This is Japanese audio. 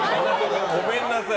ごめんなさい